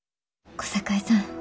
小堺さん。